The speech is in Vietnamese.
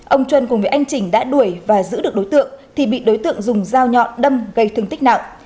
ông trân cùng với anh trình đã đuổi và giữ được đối tượng thì bị đối tượng dùng dao nhọn đâm gây thương tích nặng